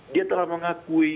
dia telah mengakui